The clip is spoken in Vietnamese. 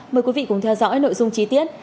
mời quý vị cùng theo dõi nội dung chi tiết